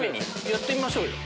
やってみましょうよ